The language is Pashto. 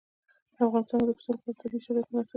په افغانستان کې د پسه لپاره طبیعي شرایط مناسب دي.